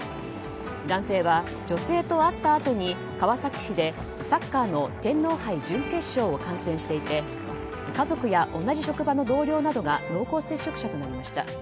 男性は、女性と会ったあとに川崎市でサッカーの天皇杯準決勝を観戦していて家族や同じ職場の同僚などが濃厚接触者となりました。